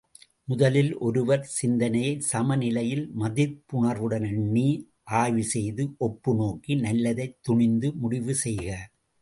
முதலில் ஒருவர் சிந்தனையைச் சமநிலையில் மதிப்புணர்வுடன் எண்ணி ஆய்வுசெய்து ஒப்புநோக்கி நல்லதைத் துணிந்து முடிவு செய்க.